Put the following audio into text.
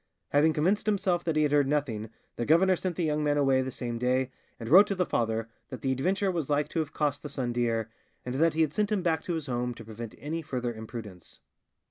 Having convinced himself that he had heard nothing, the governor sent the young man away the same day, and wrote to the father that the adventure was like to have cost the son dear, and that he had sent him back to his home to prevent any further imprudence.